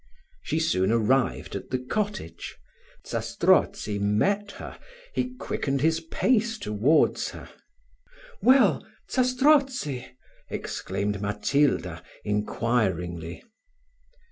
She soon arrived at the cottage. Zastrozzi met her he quickened his pace towards her. "Well, Zastrozzi," exclaimed Matilda, inquiringly.